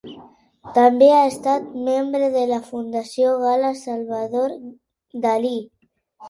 També ha estat membre de la Fundació Gala-Salvador Dalí.